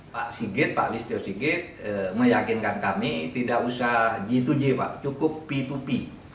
pak sigit pak listio sigit meyakinkan kami tidak usah g dua g pak cukup p dua p